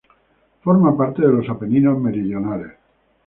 Forma parte de los Apeninos meridionales.